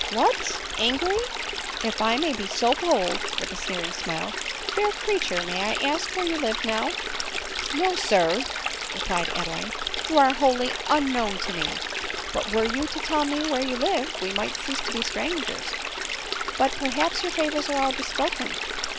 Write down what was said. " What ! angry ! If I may be so bold, (with a sneering smile,) fair creature, may I ask where you live now ?"" No, sir," replied Adeline; " you are wholly unknown to me." " But were you td tell me where you live, we might cease to be strangers ; but, perhaps your favors are all bespoken.